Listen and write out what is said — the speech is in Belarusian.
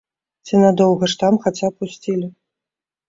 Ці надоўга ж, там, хаця пусцілі?